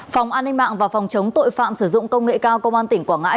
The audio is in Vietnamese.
phòng an ninh mạng và phòng chống tội phạm sử dụng công nghệ cao công an tỉnh quảng ngãi